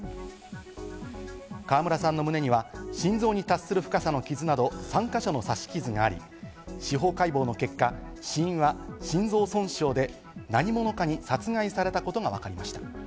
川村さんの胸には心臓に達する深さの傷など、３か所の刺し傷があり、司法解剖の結果、死因は心臓損傷で、何者かに殺害されたことがわかりました。